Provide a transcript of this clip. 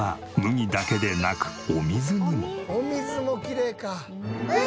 お水もきれいか。